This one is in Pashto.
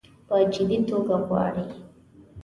په جدي توګه غواړي.